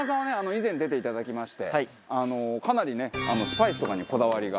以前出ていただきましてかなりねスパイスとかにこだわりが。